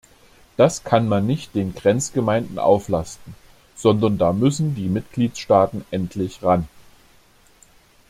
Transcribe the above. Das kann man nicht den Grenzgemeinden auflasten, sondern da müssen die Mitgliedstaaten endlich ran!